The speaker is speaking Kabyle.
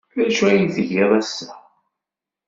D acu ay tgiḍ ass-a?